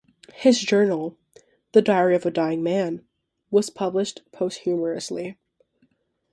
His journal, "The Diary of a Dying Man", was published posthumously.